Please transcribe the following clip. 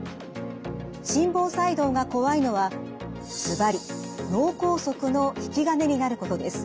心房細動が怖いのはずばり脳梗塞の引き金になることです。